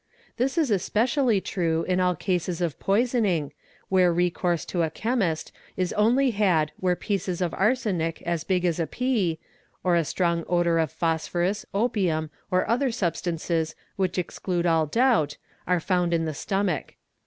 This is especially true in all cases of poisoning, where recourse i to a chemist is only had where pieces of arsenic as big as a pea, or a strong odour of phosphorus, opium, or other substances which exclude all / doubt, are found in the stomach.